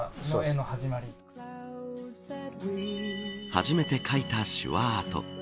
初めて描いた手話アート。